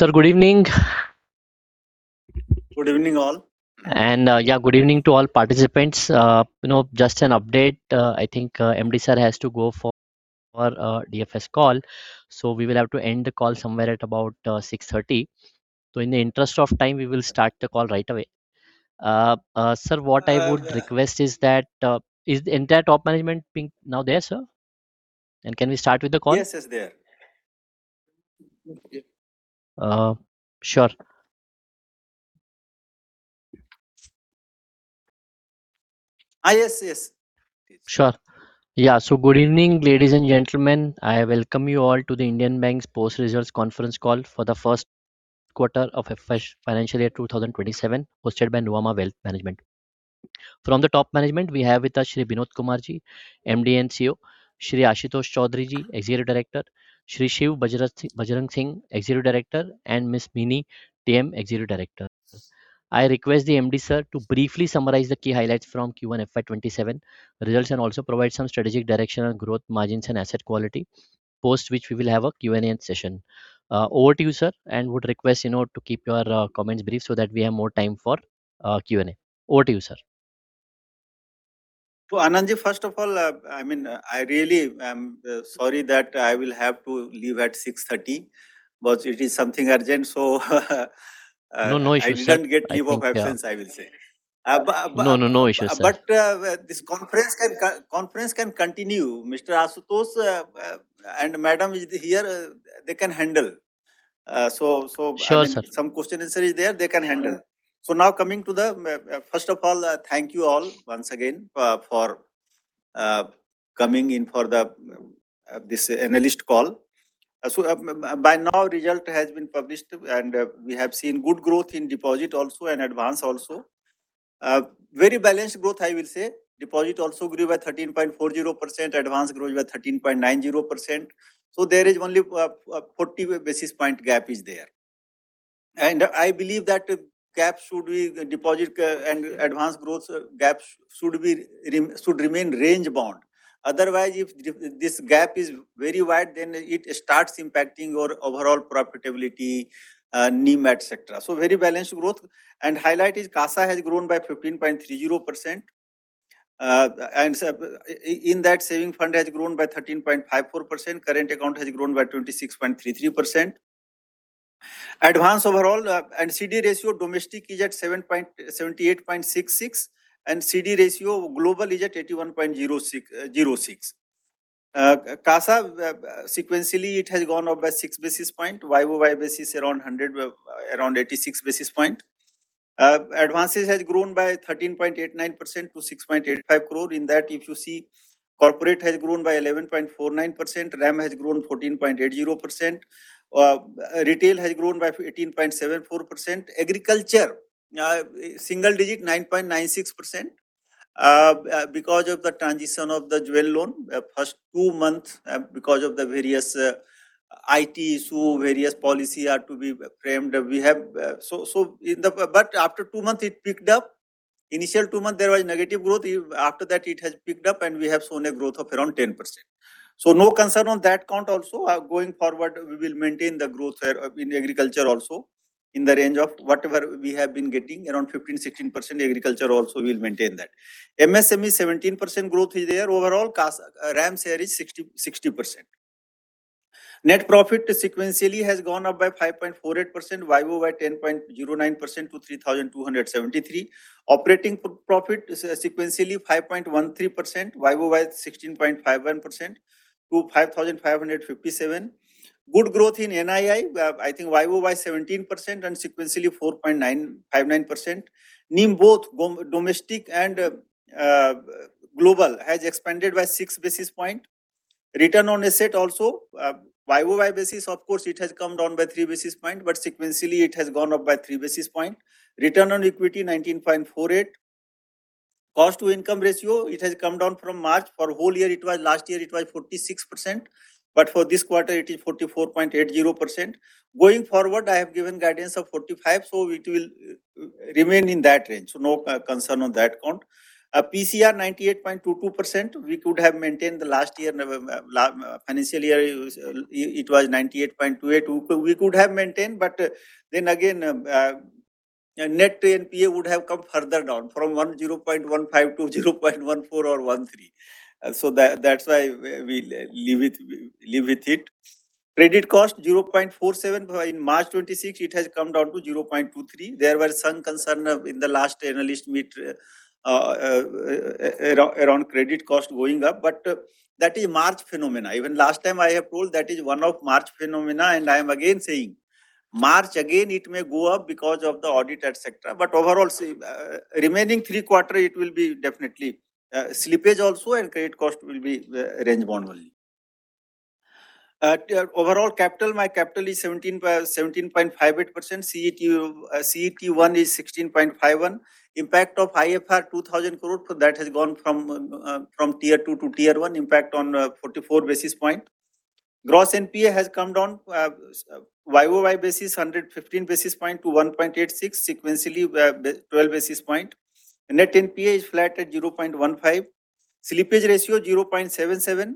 Sir, good evening. Good evening, all. Good evening to all participants. Just an update, I think MD sir has to go for our DFS call, so we will have to end the call somewhere at about 6:30. In the interest of time, we will start the call right away. Sir, what I would request is that, is the entire top management now there, sir? Can we start with the call? Yes, it's there. Sure. Yes, please. Sure. Good evening, ladies and gentlemen. I welcome you all to the Indian Bank's post-results conference call for the first quarter of FY 2027, hosted by Nuvama Wealth Management. From the top management, we have with us Shri Binod Kumar Ji, MD & CEO, Shri Ashutosh Choudhury Ji, Executive Director, Shri Shiv Bajrang Singh, Executive Director, and Ms. Mini T M, Executive Director. I request the MD sir to briefly summarize the key highlights from Q1 FY 2027 results and also provide some strategic direction on growth margins and asset quality. Post which we will have a Q&A session. Over to you, sir, and would request to keep your comments brief so that we have more time for Q&A. Over to you, sir. Anand, first of all, I really am sorry that I will have to leave at 6:30 P.M., but it is something urgent. No issues, sir. I shouldn't get leave of absence, I will say. No issues, sir. This conference can continue. Mr. Ashutosh and madam is here, they can handle. Sure, sir. First of all, thank you all once again for coming in for this analyst call. By now, result has been published, and we have seen good growth in deposit also and advance also. Very balanced growth, I will say. Deposit also grew by 13.40%, advance growth by 13.90%. There is only a 40 basis point gap is there. I believe that deposit and advance growth gaps should remain range-bound. Otherwise, if this gap is very wide, then it starts impacting your overall profitability, NIM, et cetera. Very balanced growth. Highlight is CASA has grown by 15.30%, and in that, saving fund has grown by 13.54%, current account has grown by 26.33%. Advance overall and CD ratio domestic is at 13.66, and CD ratio global is at 81.06. CASA, sequentially, it has gone up by six basis point, YoY basis around 86 basis point. Advances has grown by 13.89% to 6.85 crore. In that, if you see, corporate has grown by 11.49%, RAM has grown 14.80%, retail has grown by 18.74%, agriculture, single digit 9.96%. Because of the transition of the jewel loan, first two months, because of the various IT issue, various policy are to be framed. After two months, it picked up. Initial two months, there was negative growth. After that, it has picked up, and we have shown a growth of around 10%. No concern on that count also. Going forward, we will maintain the growth in agriculture also in the range of whatever we have been getting, around 15%-16% agriculture also, we will maintain that. MSME, 17% growth is there. Overall, RAM share is 60%. Net profit sequentially has gone up by 5.48%, YoY 10.09% to 3,273. Operating profit sequentially 5.13%, YoY 16.51% to 5,557. Good growth in NII. I think YoY 17% and sequentially 4.959%. NIM, both domestic and global, has expanded by six basis point. Return on asset also, YoY basis, of course, it has come down by three basis point, sequentially, it has gone up by three basis point. Return on equity 19.48%. Cost to income ratio, it has come down from March. For whole year, last year it was 46%, for this quarter it is 44.80%. Going forward, I have given guidance of 45%, it will remain in that range. No concern on that count. PCR 98.22%. We could have maintained the last financial year, it was 98.28%. We could have maintained, net NPA would have come further down from 0.15% to 0.14% or 0.13%. That's why we live with it. Credit cost 0.47%. In March 26, it has come down to 0.23%. There were some concern in the last analyst meet around credit cost going up, that is March phenomena. Even last time I have told that is one of March phenomena, I am again saying, March again it may go up because of the audit, et cetera, overall, remaining three quarter, it will be definitely slippage also and credit cost will be range bound only. Overall capital, my capital is 17.58%, CET1 is 16.51%. Impact of IFR 2,000 crore, that has gone from Tier 2 to Tier 1, impact on 44 basis point. Gross NPA has come down, YoY basis 115 basis point to 1.86%, sequentially 12 basis point. Net NPA is flat at 0.15. Slippage ratio 0.77.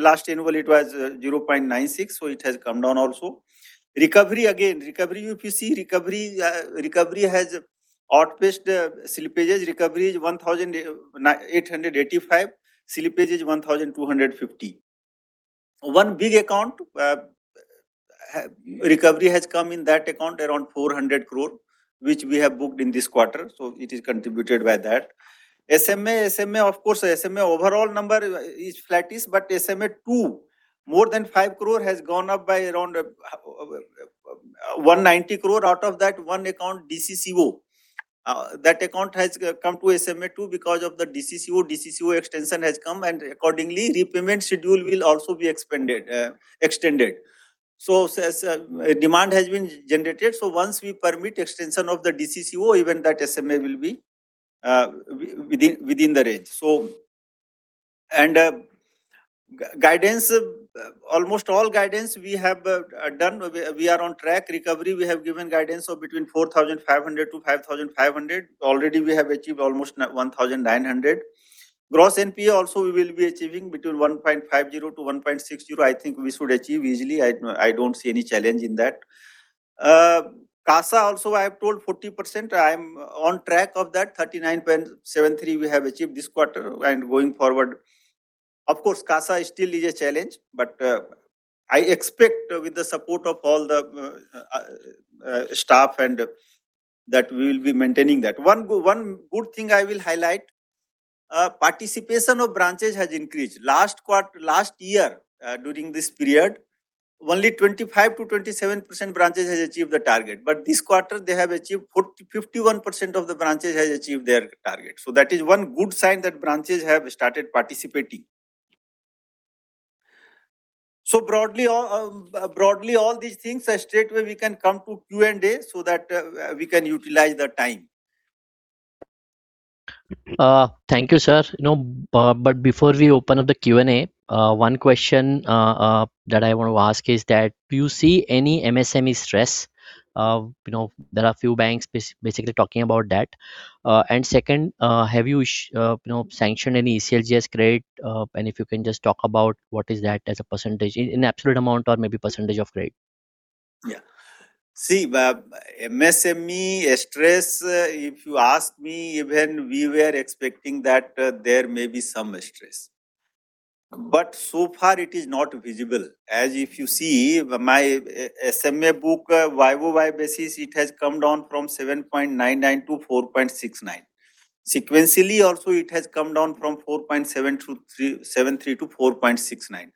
Last annual it was 0.96, so it has come down also. Recovery, if you see, recovery has outpaced slippage. Recovery is 1,885, slippage is 1,250. One big account, recovery has come in that account around 400 crore, which we have booked in this quarter. It is contributed by that. SMA, of course, SMA overall number is flattish, but SMA 2, more than 5 crore has gone up by around 190 crore. Out of that one account, DCCO. That account has come to SMA 2 because of the DCCO. DCCO extension has come and accordingly repayment schedule will also be extended. As demand has been generated, once we permit extension of the DCCO, even that SMA will be within the range. Almost all guidance we have done, we are on track. Recovery, we have given guidance of between 4,500-5,500. Already, we have achieved almost 1,900. Gross NPA also, we will be achieving between 1.50%-1.60%. I think we should achieve easily. I don't see any challenge in that. CASA also, I have told 40%, I am on track of that 39.73% we have achieved this quarter and going forward. Of course, CASA still is a challenge, but I expect with the support of all the staff that we will be maintaining that. One good thing I will highlight, participation of branches has increased. Last year, during this period, only 25%-27% branches has achieved the target, but this quarter, 51% of the branches has achieved their target. That is one good sign that branches have started participating. Broadly, all these things are straight where we can come to Q&A so that we can utilize the time. Thank you, sir. Before we open up the Q&A, one question that I want to ask is that do you see any MSME stress? There are a few banks basically talking about that. Second, have you sanctioned any ECLGS credit? If you can just talk about what is that as a percentage in absolute amount or maybe percentage of credit. Yeah. See, MSME stress, if you ask me, even we were expecting that there may be some stress. So far it is not visible, as if you see my SMA book, YoY basis, it has come down from 7.99% to 4.69%. Sequentially also, it has come down from 4.73% to 4.69%.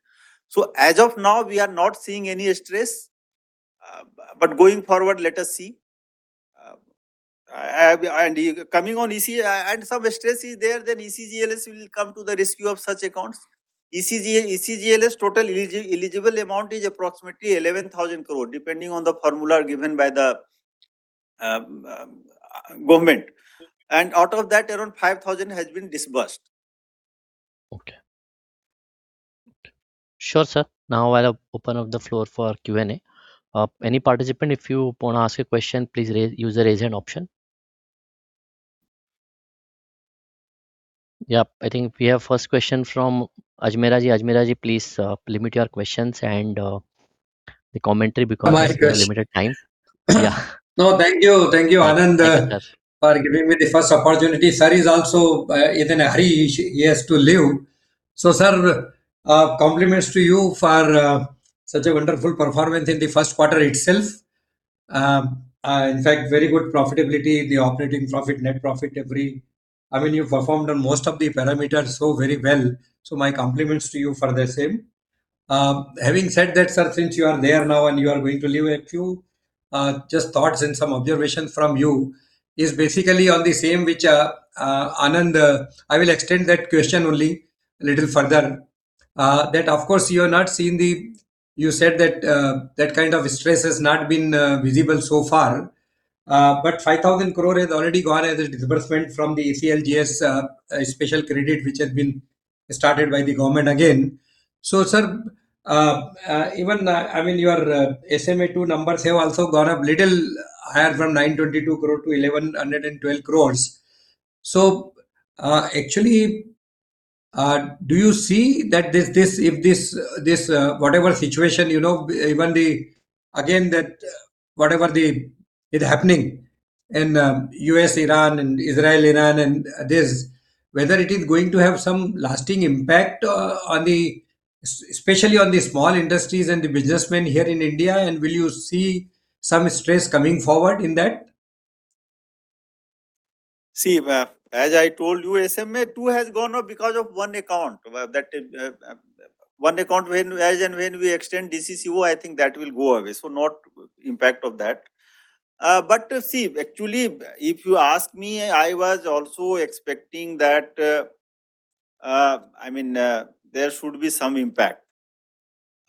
As of now, we are not seeing any stress. Going forward, let us see. Some stress is there, then ECLGS will come to the rescue of such accounts. ECLGS total eligible amount is approximately 11,000 crore, depending on the formula given by the government. Out of that, around 5,000 crore has been disbursed. Okay. Sure, sir. I'll open up the floor for Q&A. Any participant, if you want to ask a question, please use the Raise Hand Option. I think we have first question from Ajmiraji. Ajmiraji, please limit your questions and the commentary because. My question. we have limited time. Yeah. No, thank you. Thank you, Anand. Thank you, sir. for giving me the first opportunity. Sir is also in a hurry. He has to leave. Sir, compliments to you for such a wonderful performance in the first quarter itself. In fact, very good profitability, the operating profit, net profit. I mean, you've performed on most of the parameters very well. My compliments to you for the same. Having said that, sir, since you are there now and you are going to leave, a few just thoughts and some observation from you is basically on the same which, Anand, I will extend that question only a little further. That of course, you said that that kind of stress has not been visible so far. But 5,000 crore has already gone as a disbursement from the ECLGS special credit, which has been started by the Government again. Sir, even your SMA 2 numbers have also gone up little higher from 922 crore to 1,112 crores. Actually, do you see that whatever situation, even again whatever is happening in U.S., Iran and Israel, whether it is going to have some lasting impact, especially on the small industries and the businessmen here in India, and will you see some stress coming forward in that? As I told you, SMA 2 has gone up because of one account. One account as and when we extend DCCO, I think that will go away. Not impact of that. See, actually, if you ask me, I was also expecting that there should be some impact.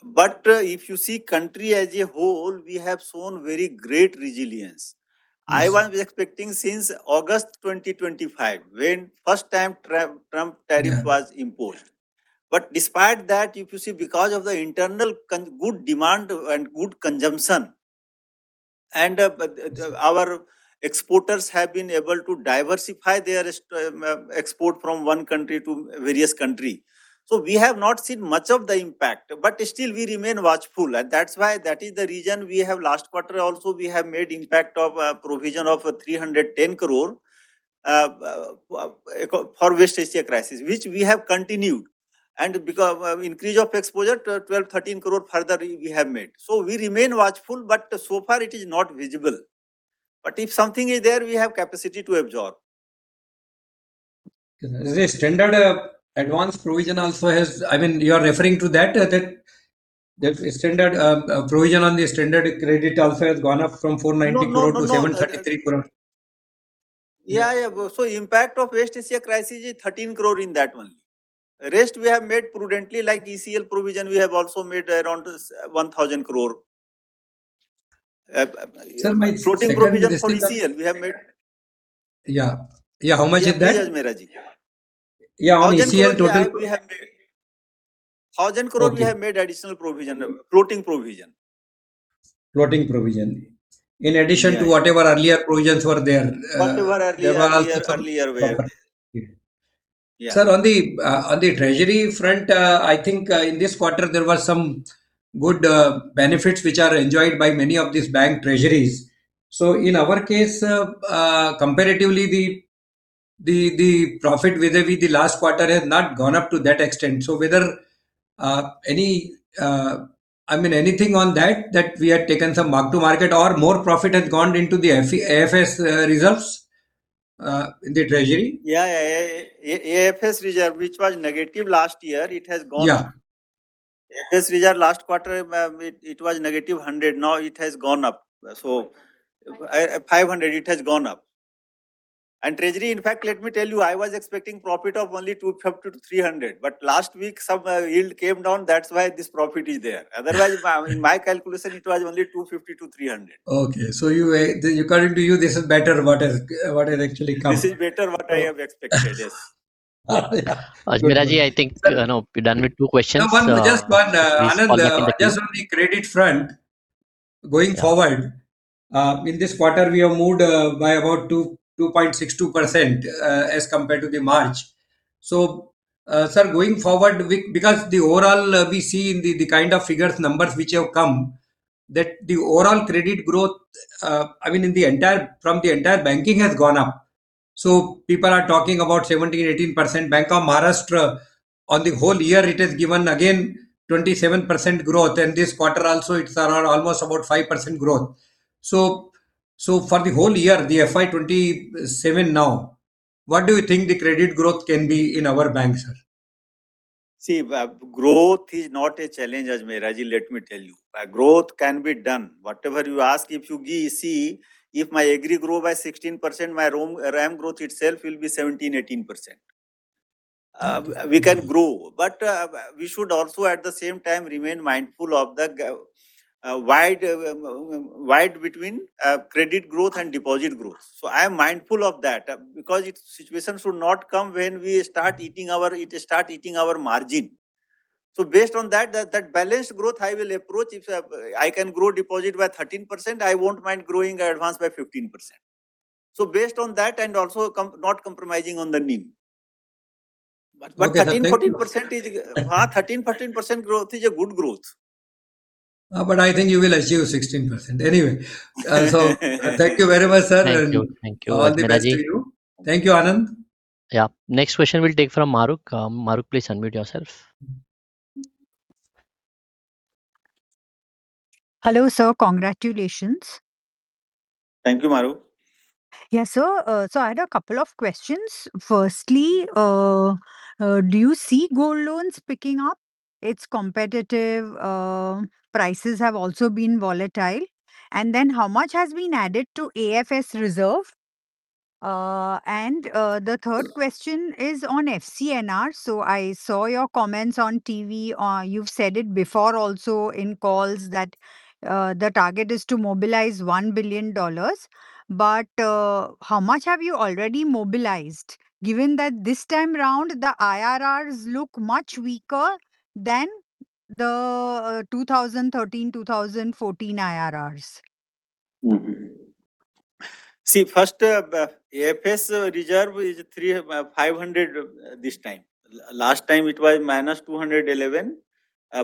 If you see country as a whole, we have shown very great resilience. Yes. I was expecting since August 2025, when first time Trump tariffs was imposed. Despite that, if you see, because of the internal good demand and good consumption our exporters have been able to diversify their export from one country to various country. We have not seen much of the impact, but still we remain watchful. That is the reason last quarter also, we have made impact of provision of 310 crore for West Asia crisis, which we have continued. Because of increase of exposure, 12 crore, 13 crore further we have made. We remain watchful, but so far it is not visible. If something is there, we have capacity to absorb. The standard advance provision You are referring to that standard provision on the standard credit also has gone up from 490 crore to 733 crore. Yeah. Impact of West Asia crisis is 13 crore in that one. Rest we have made prudently like ECL provision, we have also made around 1,000 crore. Sir, my second. Floating provision for ECL, we have made. Yeah. How much is that? Yeah, Miraji. Yeah, on ECL total. INR 1,000 crore we have made additional floating provision. Floating provision. In addition to whatever earlier provisions were there. Whatever earlier were. Yeah. Sir, on the treasury front, I think in this quarter, there were some good benefits which are enjoyed by many of these bank treasuries. In our case, comparatively, the profit vis-a-vis the last quarter has not gone up to that extent. Anything on that we had taken some mark to market or more profit has gone into the AFS results in the treasury? Yeah. AFS reserve, which was negative last year, it has gone. Yeah AFS reserve last quarter, it was negative 100. Now it has gone up. 500 it has gone up. Treasury, in fact, let me tell you, I was expecting profit of only 250-300, last week some yield came down, that's why this profit is there. Otherwise, in my calculation, it was only 250-300. Okay. According to you, this is better what has actually come. This is better what I have expected. Yes. Yeah. Ajmiraji, I think, no, we're done with two questions. Just one. Anand, just on the credit front, going forward, in this quarter, we have moved by about 2.62% as compared to the March. Sir, going forward, because the overall we see in the kind of figures, numbers which have come, that the overall credit growth from the entire banking has gone up. People are talking about 17%-18%. Bank of Maharashtra, on the whole year, it has given again 27% growth, and this quarter also, it's around almost about 5% growth. For the whole year, the FY 2027 now, what do you think the credit growth can be in our bank, sir? Growth is not a challenge, Ajmiraji, let me tell you. Growth can be done. Whatever you ask, if you see, if my agri grow by 16%, my RAM growth itself will be 17%-18%. We can grow, but we should also at the same time remain mindful of the wide between credit growth and deposit growth. I am mindful of that because situation should not come when we start eating our margin. Based on that balanced growth I will approach. If I can grow deposit by 13%, I won't mind growing advance by 15%. Based on that and also not compromising on the NIM. Okay. Thank you. 13%, 14% growth is a good growth. I think you will achieve 16%. Anyway. Thank you very much, sir. Thank you. Thank you, Miraji. All the best to you. Thank you, Anand. Yeah. Next question we will take from Mahrukh. Mahrukh, please unmute yourself. Hello, sir. Congratulations. Thank you, Mahrukh. I had a couple of questions. Firstly, do you see gold loans picking up? It's competitive. Prices have also been volatile. How much has been added to AFS reserve? The third question is on FCNR. I saw your comments on TV. You've said it before also in calls that the target is to mobilize $1 billion, but how much have you already mobilized, given that this time round the IRRs look much weaker than the 2013, 2014 IRRs? First, AFS reserve is 500 this time. Last time, it was -211.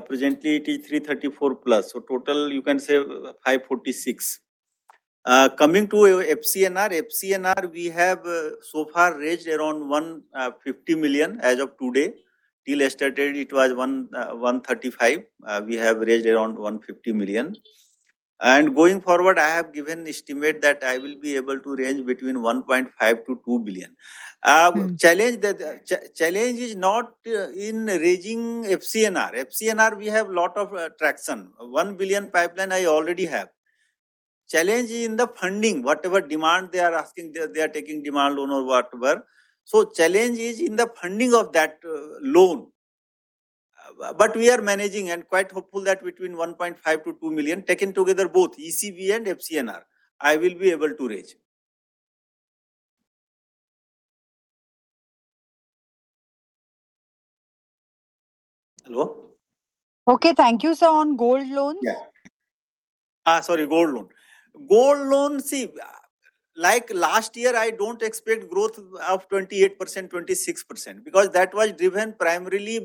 Presently, it is 334 plus. Total, you can say 546. Coming to FCNR. FCNR, we have so far raised around $150 million as of today. Till yesterday, it was $135. We have raised around $150 million. Going forward, I have given estimate that I will be able to range between $1.5 billion to $2 billion. Challenge is not in raising FCNR. FCNR, we have lot of traction. $1 billion pipeline I already have. Challenge is in the funding. Whatever demand they are asking, they are taking demand loan or whatever. Challenge is in the funding of that loan. We are managing and quite hopeful that between $1.5 billion to $2 billion, taken together both ECB and FCNR, I will be able to raise. Hello? Okay. Thank you, sir. On gold loans. Yeah. Sorry, gold loan. Gold loan, like last year, I don't expect growth of 28%, 26%, because that was driven primarily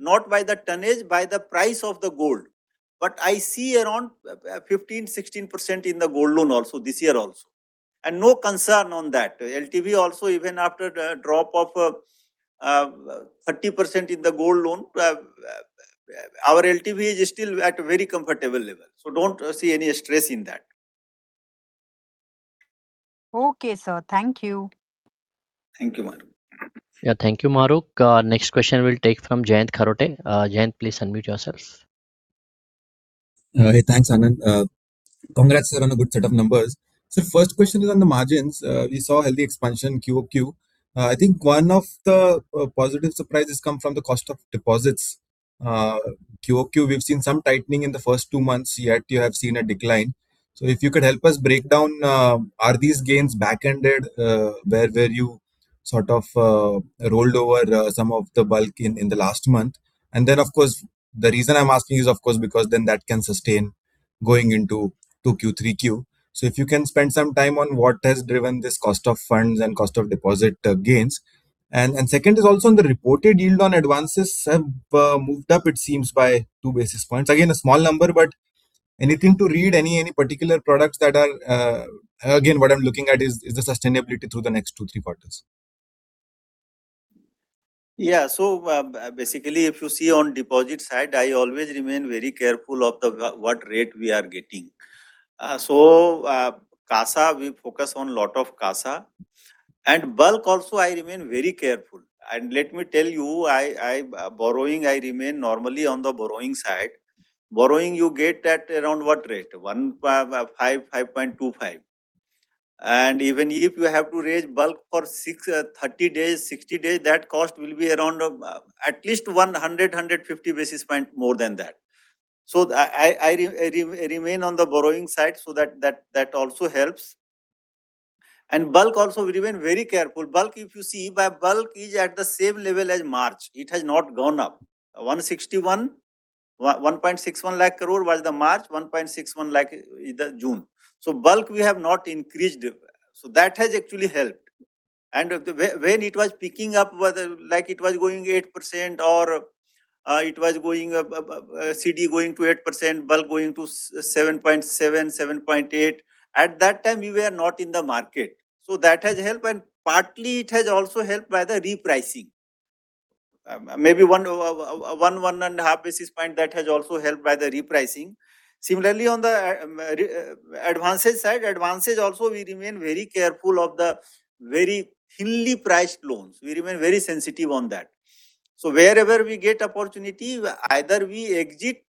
not by the tonnage, by the price of the gold. I see around 15%-16% in the gold loan this year also. No concern on that. LTV also, even after the drop of 30% in the gold loan, our LTV is still at a very comfortable level. Don't see any stress in that. Okay, sir. Thank you. Thank you, Mahrukh. Thank you, Mahrukh. Next question we'll take from Jayant Kharote. Jayant, please unmute yourself. Thanks, Anand. Congrats on a good set of numbers. First question is on the margins. We saw healthy expansion QoQ. I think one of the positive surprises come from the cost of deposits. QoQ, we've seen some tightening in the first two months, yet you have seen a decline. If you could help us break down, are these gains back-ended, where you sort of rolled over some of the bulk in the last month? Of course, the reason I'm asking is, of course, because then that can sustain going into 2Q, 3Q. If you can spend some time on what has driven this cost of funds and cost of deposit gains. Second is also on the reported yield on advances have moved up, it seems, by two basis points. Again, a small number, but anything to read, any particular products that are. What I am looking at is the sustainability through the next two, three quarters. Yeah. Basically, if you see on deposit side, I always remain very careful of what rate we are getting. CASA, we focus on lot of CASA. Bulk also, I remain very careful. Let me tell you, borrowing, I remain normally on the borrowing side. Borrowing you get at around what rate? 155.25. Even if you have to raise bulk for 30 days, 60 days, that cost will be around at least 100, 150 basis point more than that. I remain on the borrowing side, so that also helps. Bulk also, we remain very careful. Bulk, if you see, bulk is at the same level as March. It has not gone up. 1.61 lakh crore was the March, 1.61 lakh in the June. Bulk, we have not increased. That has actually helped. When it was picking up, like it was going 8% or CD going to 8%, bulk going to 7.7%, 7.8%, at that time, we were not in the market. That has helped, and partly it has also helped by the repricing. Maybe one and a half basis point, that has also helped by the repricing. Similarly, on the advances side. Advances also, we remain very careful of the very thinly priced loans. We remain very sensitive on that. Wherever we get opportunity, either we exit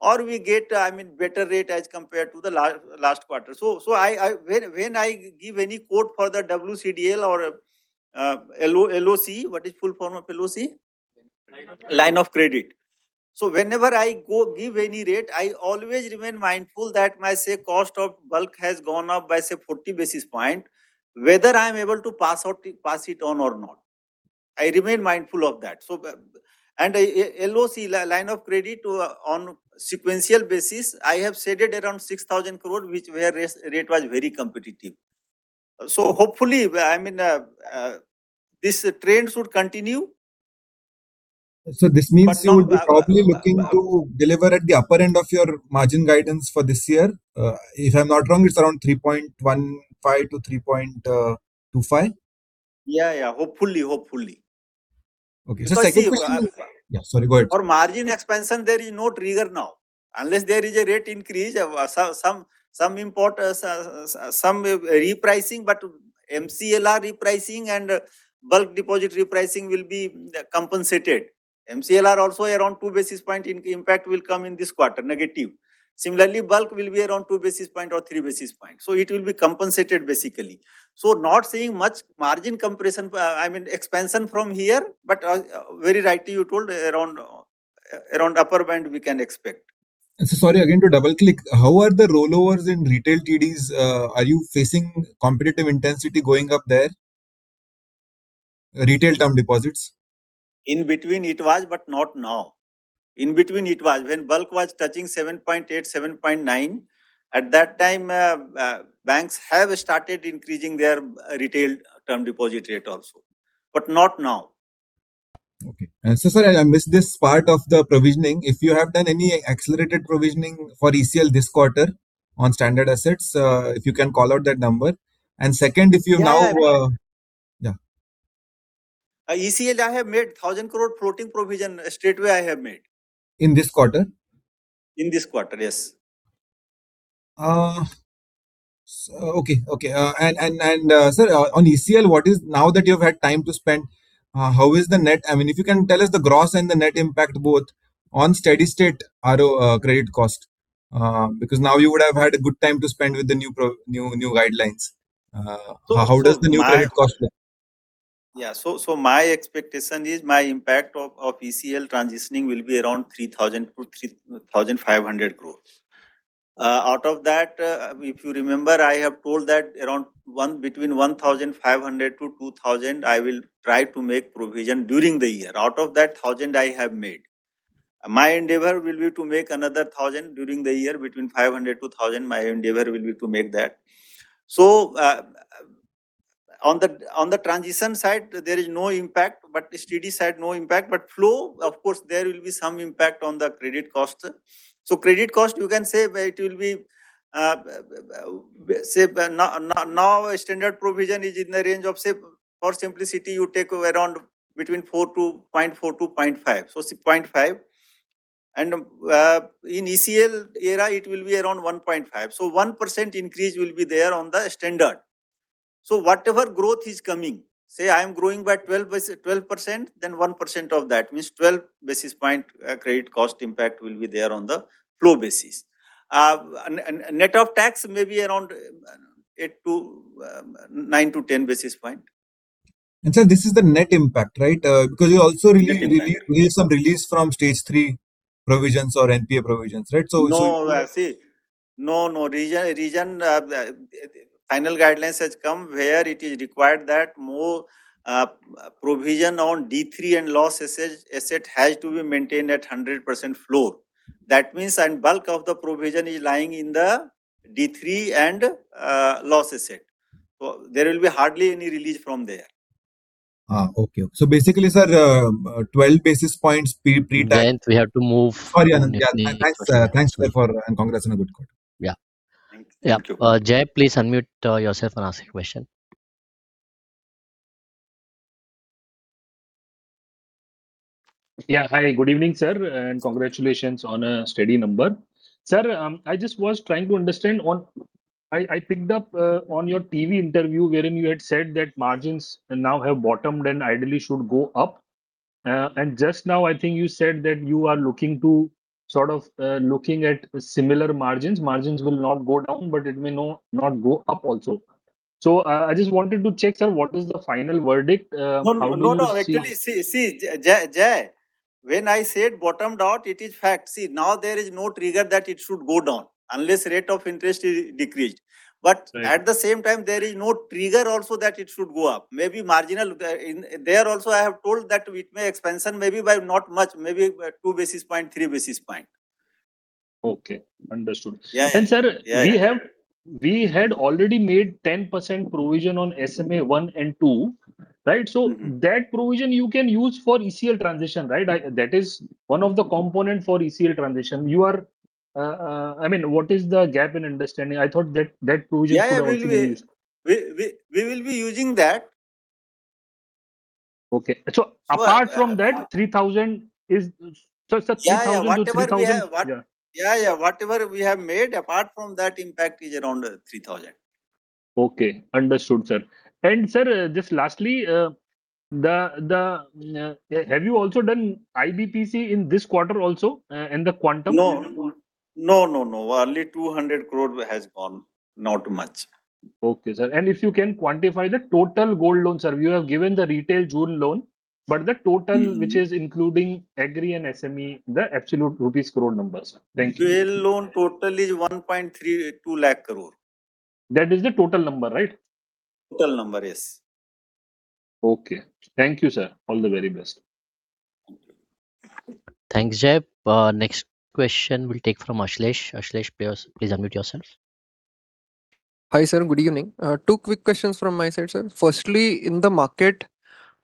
or we get better rate as compared to the last quarter. When I give any quote for the WCDL or LOC. What is full form of LOC? Line of credit. Line of credit. Whenever I go give any rate, I always remain mindful that my, say, cost of bulk has gone up by, say, 40 basis points, whether I'm able to pass it on or not. I remain mindful of that. LOC, line of credit, on sequential basis, I have shaded around 6,000 crore, where rate was very competitive. Hopefully, these trends would continue. This means you would be probably looking to deliver at the upper end of your margin guidance for this year? If I'm not wrong, it's around 3.15%-3.25%? Yeah. Hopefully. Okay. Just a second question. Yeah, sorry. Go ahead. For margin expansion, there is no trigger now. Unless there is a rate increase or some repricing. MCLR repricing and bulk deposit repricing will be compensated. MCLR also around two basis point impact will come in this quarter, negative. Similarly, bulk will be around two basis point or three basis point. It will be compensated basically. Not seeing much margin expansion from here, but very rightly you told around upper band we can expect. Sorry, again, to double-click. How are the rollovers in retail TDs? Are you facing competitive intensity going up there? Retail term deposits. In between it was, but not now. In between it was. When bulk was touching 7.8%, 7.9%, at that time, banks have started increasing their retail term deposit rate also. Not now. Okay. Sorry, I missed this part of the provisioning. If you have done any accelerated provisioning for ECL this quarter on standard assets, if you can call out that number. Second, if you've now. Yeah. Yeah. ECL, I have made 1,000 crore floating provision straightaway I have made. In this quarter? In this quarter, yes. Okay. Sir, on ECL, now that you've had time to spend, how is the net? If you can tell us the gross and the net impact both on steady state RO credit cost. Now you would have had a good time to spend with the new guidelines. How does the new credit cost look? My expectation is my impact of ECL transitioning will be around 3,000 crore-3,500 crore. Out of that, if you remember, I have told that around between 1,500-2,000, I will try to make provision during the year. Out of that 1,000, I have made. My endeavor will be to make another 1,000 during the year, between 500-1,000, my endeavor will be to make that. On the transition side, there is no impact. Steady side, no impact. Flow, of course, there will be some impact on the credit cost. Credit cost, you can say, it will be, say, now standard provision is in the range of, say, for simplicity, you take around between 0.4%-0.5%. And, in ECL era, it will be around 1.5%. 1% increase will be there on the standard. Whatever growth is coming, say I am growing by 12%, then 1% of that means 12 basis points credit cost impact will be there on the flow basis. Net of tax may be around 9 basis points to 10 basis points. This is the net impact, right? Because you also released. Net impact Some release from Stage 3 provisions or NPA provisions, right? No. See, no. Region final guidelines has come where it is required that more provision on D3 and loss asset has to be maintained at 100% flow. That means, bulk of the provision is lying in the D3 and loss asset. There will be hardly any release from there. Okay. Basically, sir, 12 basis points pre-tax. We have to move. Sorry, Anand. Yeah. Thanks, sir. Thanks for that, and congrats on a good quarter. Yeah. Thank you. Yeah. Jai, please unmute yourself and ask your question. Yeah. Hi, good evening, sir, and congratulations on a steady number. Sir, I just was trying to understand. I picked up on your TV interview wherein you had said that margins now have bottomed and ideally should go up. Just now, I think you said that you are looking at similar margins. Margins will not go down, but it may not go up also. I just wanted to check, sir, what is the final verdict? How do you see it? actually, see, Jai, when I said bottomed out, it is fact. See, now there is no trigger that it should go down, unless rate of interest is decreased. Right. At the same time, there is no trigger also that it should go up. Maybe marginal. There also, I have told that it may expansion maybe by not much, maybe by two basis point, three basis point. Okay, understood. Yeah. Sir. Yeah. We had already made 10% provision on SMA one and two, right? That provision you can use for ECL transition, right? That is one of the component for ECL transition. What is the gap in understanding? I thought that that provision could also be used. Yeah, we will be using that. Okay. Apart from that 3,000 is, sir, 3,000-4,000. Yeah, whatever we have. Yeah. Yeah. Whatever we have made, apart from that impact is around 3,000. Okay. Understood, sir. Sir, just lastly, have you also done IBPC in this quarter also, and the quantum? No. Only 200 crore has gone. Not much. Okay, sir. If you can quantify the total gold loan, sir. You have given the retail June loan, but the total which is including agri and SME, the absolute rupees crore numbers. Thank you. Gold loan total is 132,000 crore. That is the total number, right? Total number, yes. Okay. Thank you, sir. All the very best. Thank you. Thanks, Jai. Next question we'll take from Ashlesh. Ashlesh Sonje, please unmute yourself. Hi, sir. Good evening. Two quick questions from my side, sir. Firstly, in the market,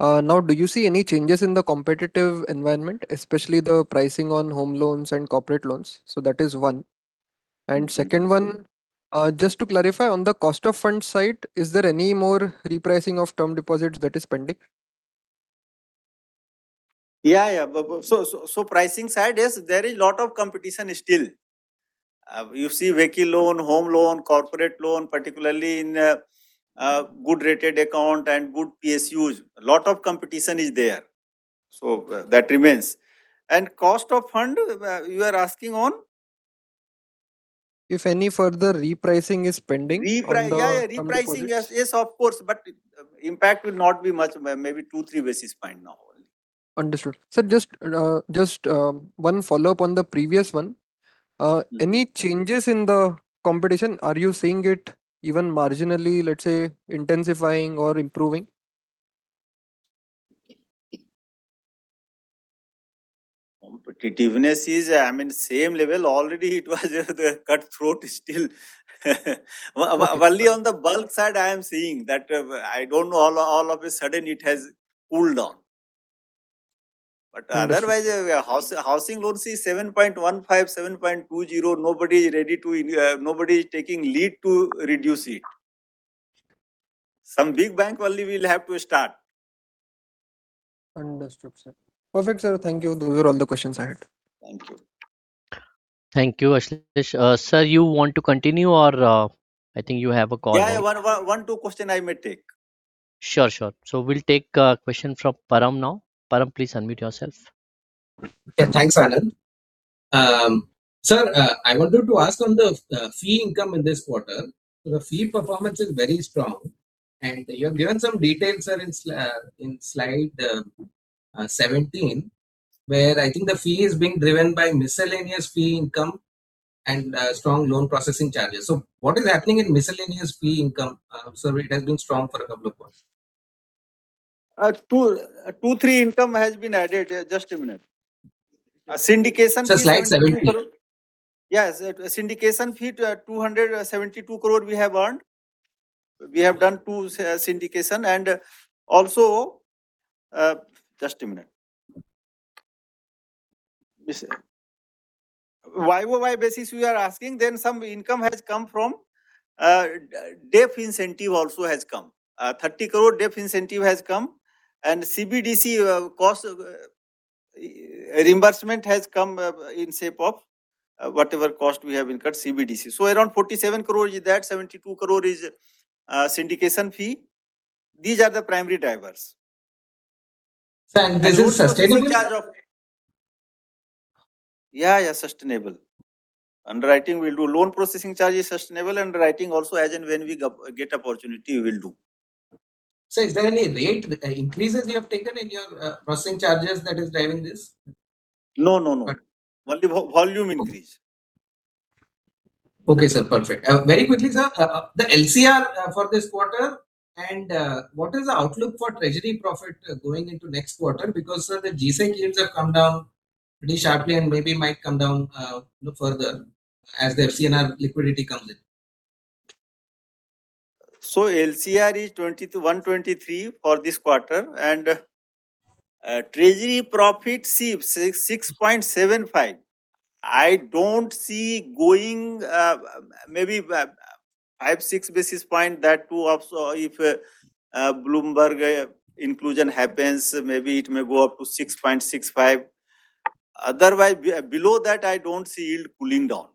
now do you see any changes in the competitive environment, especially the pricing on home loans and corporate loans? That is one. Second one, just to clarify on the cost of funds side, is there any more repricing of term deposits that is pending? Yeah. Pricing side, yes, there is lot of competition still. You see vehicle loan, home loan, corporate loan, particularly in good rated account and good PSUs, lot of competition is there. That remains. Cost of fund, you are asking on? If any further repricing is pending on the. Repricing. Yeah, repricing. Term deposits. Yes, of course, impact will not be much. Maybe 2 basis points, 3 basis points now, only. Understood. Sir, just one follow-up on the previous one. Yeah. Any changes in the competition? Are you seeing it even marginally, let's say, intensifying or improving? Competitiveness is, I mean, same level. Already it was cutthroat still. Only on the bulk side I am seeing that. I don't know, all of a sudden it has cooled down. Understood. Otherwise, housing loans is 7.15%, 7.20%. Nobody is taking lead to reduce it. Some big bank only will have to start. Understood, sir. Perfect, sir. Thank you. Those were all the questions I had. Thank you. Thank you, Ashlesh. Sir, you want to continue or I think you have a call now. Yeah, one, two question I may take. Sure. We'll take a question from Parth now. Parth, please unmute yourself. Yeah, thanks, Anand. Sir, I wanted to ask on the fee income in this quarter. The fee performance is very strong, and you have given some details, sir, in slide 17 Where I think the fee is being driven by miscellaneous fee income and strong loan processing charges. What is happening in miscellaneous fee income, sir, it has been strong for a couple of quarters. Two, three income has been added. Just a minute. Syndication fee- Just like 70. Yes. syndication fee, 272 crore we have earned. We have done two syndication and also Just a minute. YoY basis we are asking, some income has come from, DEF incentive also has come. INR 30 crore DEF incentive has come, and CBDC reimbursement has come in shape of whatever cost we have incurred CBDC. Around 47 crore is that, 72 crore is syndication fee. These are the primary drivers. This is sustainable? Yeah. Sustainable. Underwriting we'll do, loan processing charge is sustainable. Underwriting also, as and when we get opportunity, we will do. Is there any rate increases you have taken in your processing charges that is driving this? No, no. Only volume increase. Okay, sir. Perfect. Very quickly, sir, the LCR for this quarter and what is the outlook for treasury profit going into next quarter? Because, sir, the G-Sec yields have come down pretty sharply and maybe might come down further as the FCNR liquidity comes in. LCR is 123 for this quarter, and treasury profit see 6.75. I don't see going, maybe five, six basis points that too if Bloomberg inclusion happens, maybe it may go up to 6.65. Otherwise, below that, I don't see yield pulling down.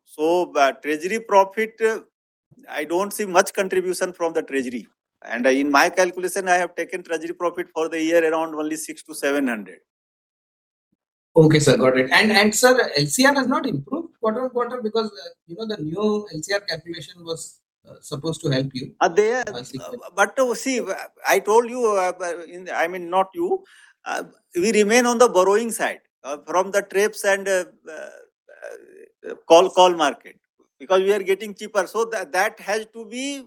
Treasury profit, I don't see much contribution from the treasury. In my calculation, I have taken treasury profit for the year around only 600 to 700. Okay, sir. Got it. Sir, LCR has not improved quarter-on-quarter because the new LCR calculation was supposed to help you. See, I told you, I mean, not you. We remain on the borrowing side from the TREPS and call market because we are getting cheaper. That has to be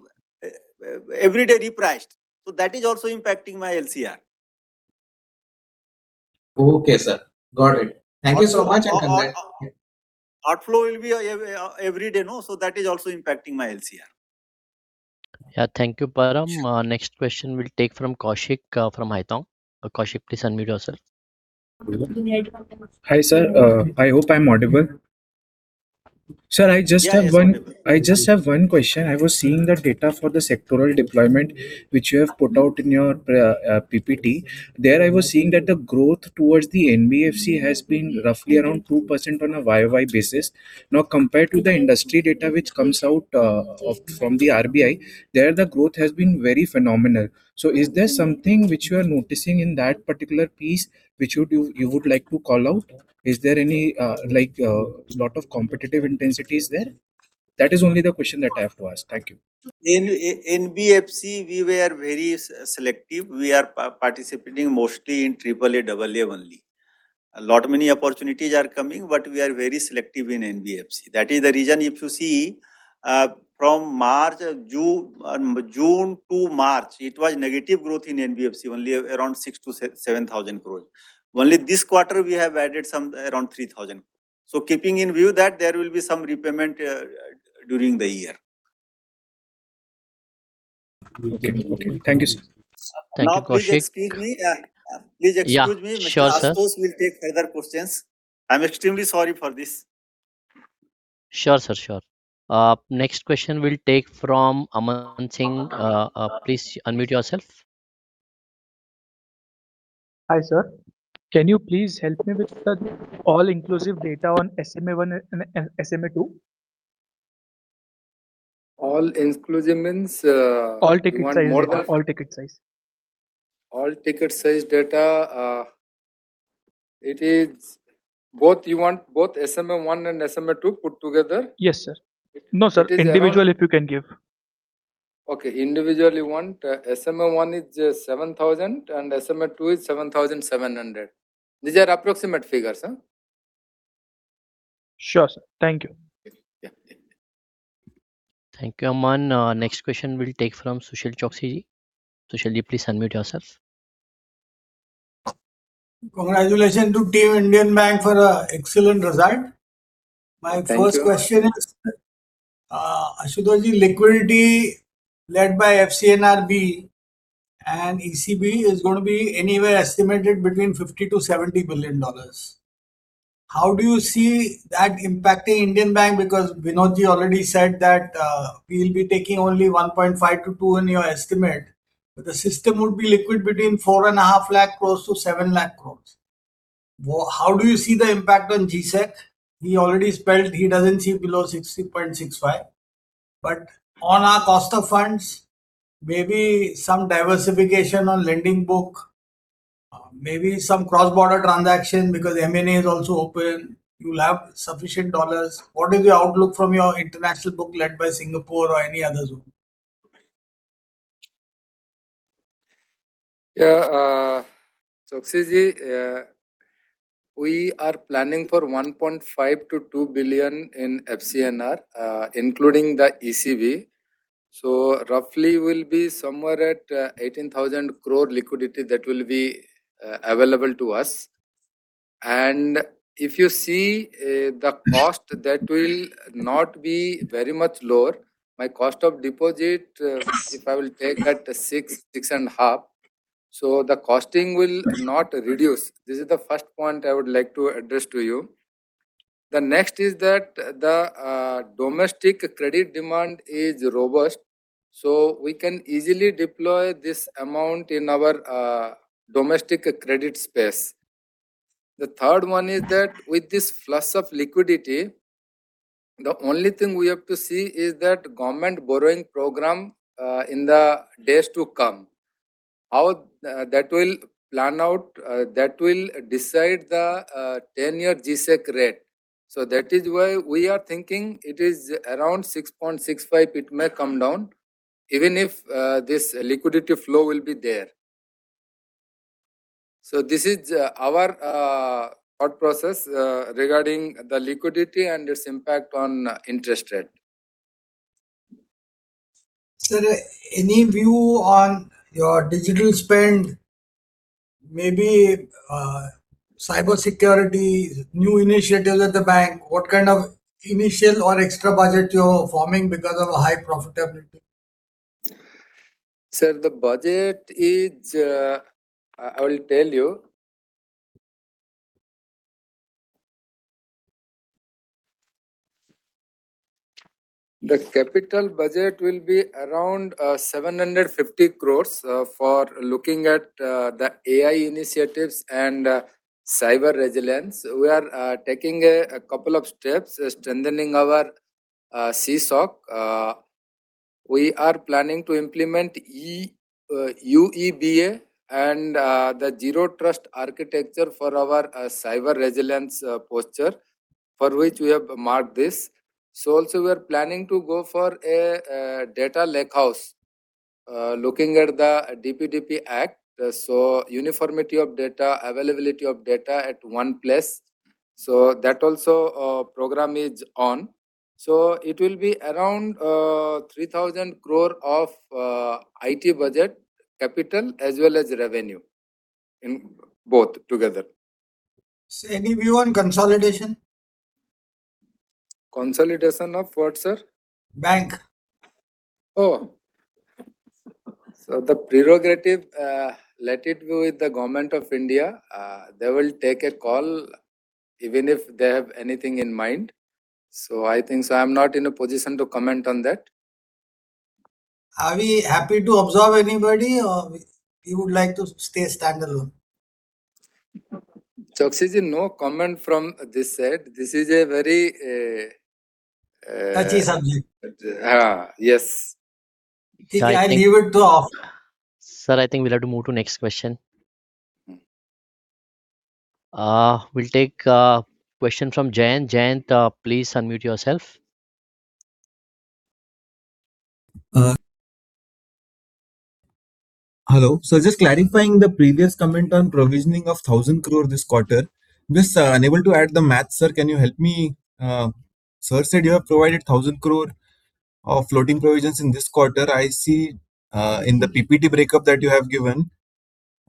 every day repriced. That is also impacting my LCR. Okay, sir. Got it. Thank you so much. Outflow will be every day. That is also impacting my LCR. Thank you, Parth. Next question we will take from Kaushik from Hitao. Kaushik, please unmute yourself. Hi, sir. I hope I am audible. Sir, I just have one. Yeah. I just have one question. I was seeing the data for the sectoral deployment, which you have put out in your PPT. Compared to the industry data which comes out from the RBI, there the growth towards the NBFC has been roughly around 2% on a YoY basis. The growth has been very phenomenal. Is there something which you are noticing in that particular piece, which you would like to call out? Is there any lot of competitive intensities there? That is only the question that I have to ask. Thank you. In NBFC, we were very selective. We are participating mostly in AAA, AA only. A lot, many opportunities are coming, but we are very selective in NBFC. That is the reason, if you see, June to March, it was negative growth in NBFC, only around 6,000-7,000 crore. Only this quarter we have added some around 3,000 crore. Keeping in view that there will be some repayment during the year. Okay. Thank you, sir. Thank you, Kaushik. Now please excuse me. Yeah. Sure, sir. I suppose we'll take further questions. I'm extremely sorry for this. Sure, sir. Next question we'll take from Aman Singh. Please unmute yourself. Hi, sir. Can you please help me with the all-inclusive data on SMA one and SMA two? All-inclusive means. All ticket size data You want more than. All ticket size. All ticket size data. You want both SMA 1 and SMA 2 put together? Yes, sir. No, sir. Individually if you can give. Okay, individually you want. SMA 1 is 7,000 and SMA 2 is 7,700. These are approximate figures. Sure, sir. Thank you. Thank you, Aman. Next question we will take from Sushil Choksey. Sushil, please unmute yourself. Congratulations to Team Indian Bank for an excellent result. Thank you. My first question is, Ashutosh Choudhury, liquidity led by FCNRB and ECB is going to be anywhere estimated between $50 billion-$70 billion. How do you see that impacting Indian Bank? Binodji already said that we will be taking only $1.5 billion to $2 billion in your estimate, but the system would be liquid between 4.5 lakh crore to 7 lakh crore. How do you see the impact on G-Sec? He already spelled he does not see below 6.65%. On our cost of funds, maybe some diversification on lending book, maybe some cross-border transaction because M&A is also open. You will have sufficient dollars. What is your outlook from your international book led by Singapore or any other zone? Choksey Ji, we are planning for $1.5 billion to $2 billion in FCNR, including the ECB. Roughly we will be somewhere at 18,000 crore liquidity that will be available to us. If you see, the cost that will not be very much lower. My cost of deposit, if I will take at 6%, 6.5%, so the costing will not reduce. This is the first point I would like to address to you. Domestic credit demand is robust, we can easily deploy this amount in our domestic credit space. With this flux of liquidity, the only thing we have to see is that government borrowing program in the days to come. How that will plan out, that will decide the 10-year G-Sec rate. That is why we are thinking it is around 6.65%, it may come down, even if this liquidity flow will be there. This is our thought process regarding the liquidity and its impact on interest rate. Sir, any view on your digital spend, maybe cybersecurity, new initiatives at the bank? What kind of initial or extra budget you are forming because of high profitability? Sir, the budget is, I will tell you. The capital budget will be around 750 crore for looking at the AI initiatives and cyber resilience. We are taking a couple of steps strengthening our CSOC. We are planning to implement UEBA and the zero trust architecture for our cyber resilience posture, for which we have marked this. Also we are planning to go for a data lakehouse, looking at the DPDP Act, so uniformity of data, availability of data at one place. That also, program is on. It will be around 3,000 crore of IT budget capital as well as revenue, both together. Sir, any view on consolidation? Consolidation of what, sir? Bank. Oh. The prerogative, let it go with the Government of India. They will take a call even if they have anything in mind. I think so I'm not in a position to comment on that. Are we happy to absorb anybody, or we would like to stay standalone? Choksey, no comment from this side. This is a very. Touchy subject. Yes. Okay. I leave it off. Sir, I think we'll have to move to next question. We'll take a question from Jayant. Jayant, please unmute yourself. Hello. Just clarifying the previous comment on provisioning of 1,000 crore this quarter. Unable to add the math, sir, can you help me? Sir said you have provided 1,000 crore of floating provisions in this quarter. I see, in the PPT breakup that you have given,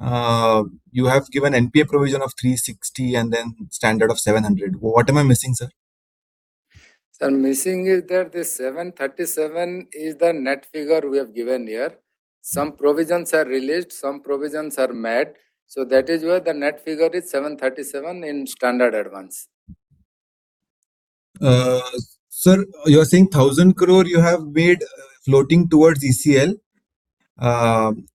you have given NPA provision of 360 and then standard of 700. What am I missing, sir? Sir, missing is that the 737 is the net figure we have given here. Some provisions are released, some provisions are met, so that is why the net figure is 737 in standard advance. Sir, you're saying 1,000 crore you have made floating towards ECL,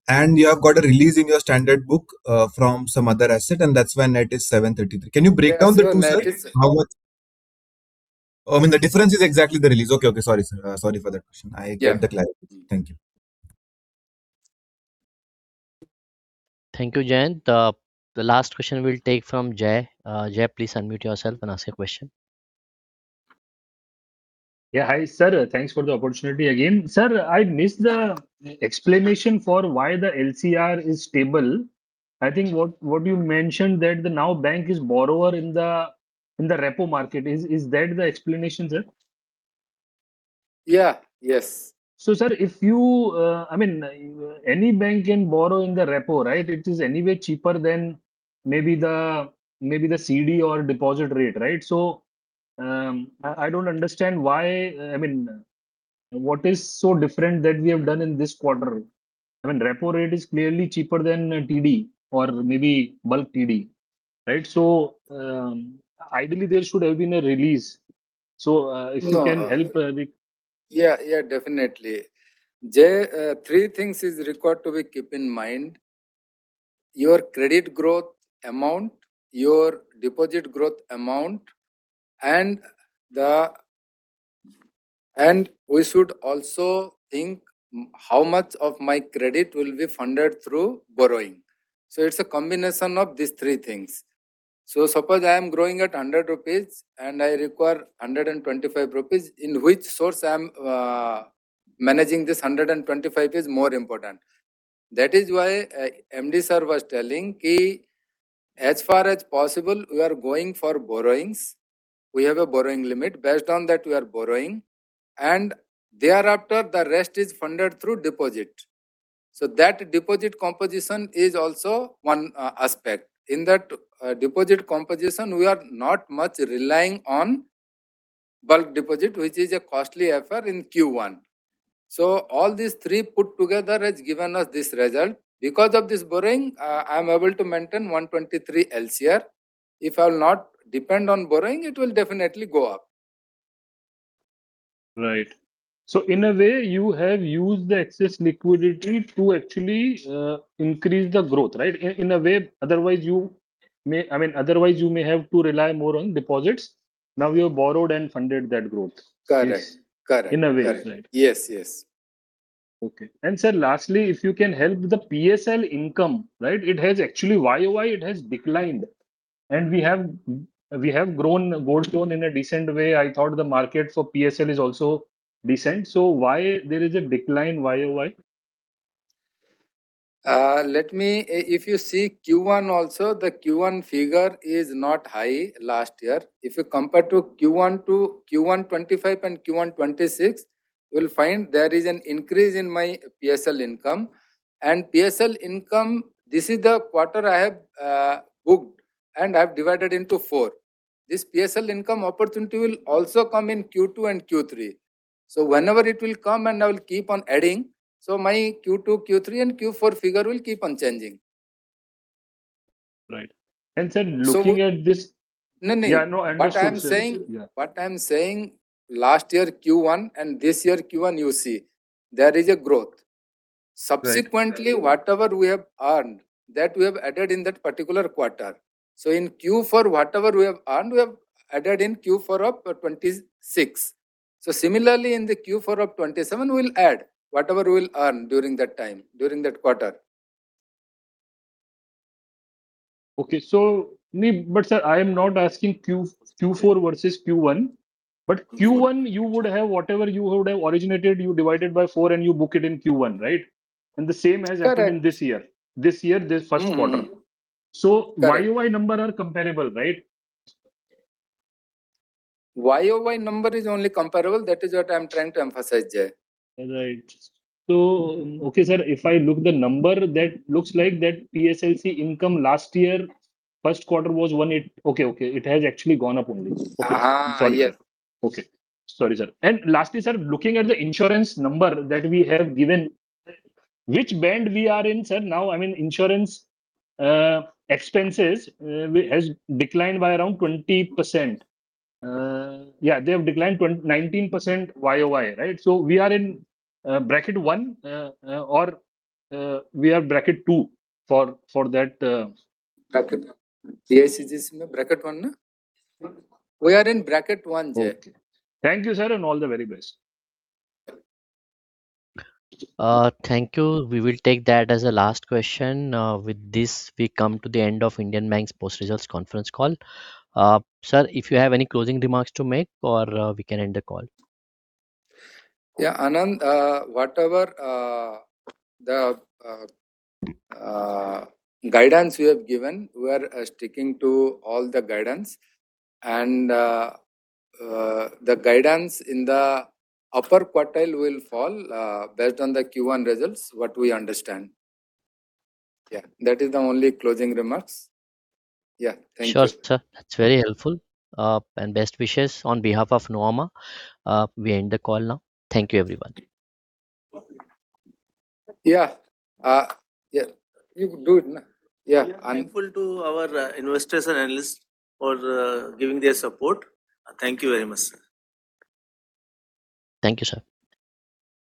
and you have got a release in your standard book from some other asset, and that's why net is 733. Can you break down the two, sir? Yeah, sir. How I mean, the difference is exactly the release. Okay. Sorry, sir. Sorry for that question. Yeah. I get the clarity. Thank you. Thank you, Jayant. The last question we'll take from Jai. Jai, please unmute yourself and ask your question. Hi, sir. Thanks for the opportunity again. Sir, I missed the explanation for why the LCR is stable. I think what you mentioned that now bank is borrower in the repo market. Is that the explanation, sir? Yes. Sir, any bank can borrow in the repo, right? It is anyway cheaper than maybe the CD or deposit rate, right? I don't understand why, what is so different that we have done in this quarter? Repo rate is clearly cheaper than a TD or maybe bulk TD, right? Ideally, there should have been a release. If you can help a bit. Definitely. Jai, three things is required to be keep in mind. Your credit growth amount, your deposit growth amount, and we should also think how much of my credit will be funded through borrowing. It's a combination of these three things. Suppose I am growing at 100 rupees and I require 125 rupees, in which source I'm managing this 125 is more important. That is why MD sir was telling, as far as possible, we are going for borrowings. We have a borrowing limit. Based on that, we are borrowing, and thereafter, the rest is funded through deposit. That deposit composition is also one aspect. In that deposit composition, we are not much relying on bulk deposit, which is a costly affair in Q1. All these three put together has given us this result. Because of this borrowing, I'm able to maintain 123 LCR. If I will not depend on borrowing, it will definitely go up. Right. In a way, you have used the excess liquidity to actually increase the growth, right? In a way. Otherwise, you may have to rely more on deposits. Now you have borrowed and funded that growth. Correct. In a way. Yes. Okay. Sir, lastly, if you can help the PSL income, right? Actually, YoY it has declined. We have grown gold loan in a decent way. I thought the market for PSL is also decent. Why there is a decline YoY? If you see Q1 also, the Q1 figure is not high last year. If you compare to Q1 2025 and Q1 2026, you will find there is an increase in my PSL income. PSL income, this is the quarter I have booked, and I have divided into four. This PSL income opportunity will also come in Q2 and Q3. Whenever it will come, and I will keep on adding, my Q2, Q3, and Q4 figure will keep on changing. Right. Sir, looking at this. No. Yeah, no. What I am saying, last year Q1 and this year Q1, you see, there is a growth. Right. Subsequently, whatever we have earned, that we have added in that particular quarter. In Q4, whatever we have earned, we have added in Q4 of 26. Similarly, in the Q4 of 27, we'll add whatever we'll earn during that time, during that quarter. Okay. Sir, I am not asking Q4 versus Q1. Q1, you would have whatever you would have originated, you divided by four and you book it in Q1, right? The same has happened- Correct this year. This year, this first quarter. Correct. YOY number are comparable, right? YOY number is only comparable. That is what I'm trying to emphasize, Jai. Right. Okay, sir, if I look the number, that looks like that PSLC income last year, first quarter was 180. It has actually gone up only. Yes. Okay. Sorry, sir. Lastly, sir, looking at the insurance number that we have given, which band we are in, sir, now? Insurance expenses has declined by around 20%. Yeah, they have declined 19% YoY, right? We are in bracket 1, or we are bracket 2 for that- Bracket. PSLC bracket 1, no? We are in bracket 1. Thank you, sir, and all the very best. Thank you. We will take that as the last question. With this, we come to the end of Indian Bank's post-results conference call. Sir, if you have any closing remarks to make, or we can end the call. Anand, whatever the guidance we have given, we are sticking to all the guidance. The guidance in the upper quartile will fall based on the Q1 results, what we understand. That is the only closing remarks. Thank you. Sure, sir. That's very helpful. Best wishes on behalf of Nuvama. We end the call now. Thank you, everyone. Yeah. You do it now. Thankful to our investors and analysts for giving their support. Thank you very much, sir.